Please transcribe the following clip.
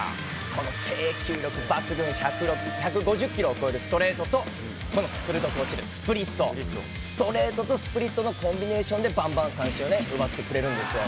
この制球力抜群、１５０キロを超えるストレートと、この鋭く落ちるスプリット、ストレートとスプリットのコンビネーションで、ばんばん三振を奪ってくれるんですよ。